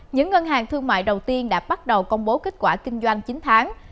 những ngân hàng thương mại đầu tiên đã bắt đầu công bố kết quả kinh doanh chín tháng